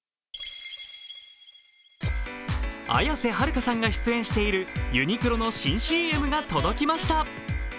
綾瀬はるかさんが出演しているユニクロの新ＣＭが届きました。